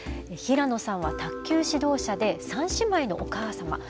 平野さんは卓球指導者で三姉妹のお母様。